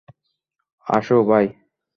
আসো, ভাই।